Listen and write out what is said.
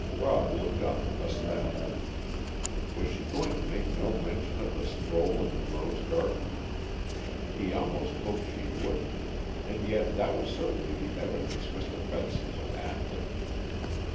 Rob looked up astounded. Was she going to make no mention of the stroll in the rose garden? He almost hoped she wouldn't, and yet that was certainly the evidence Mr. Benson was after.